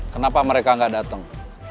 kenapa mereka gak datang